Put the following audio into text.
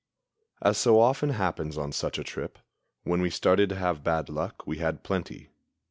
As so often happens on such a trip, when we started to have bad luck we had plenty.